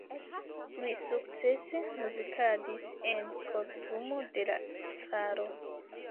Li sukcese muzikadis en kortumo de la caro.